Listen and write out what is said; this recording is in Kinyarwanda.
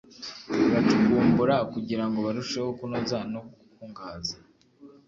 bacukumbura kugira ngo barusheho kunoza no gukungahaza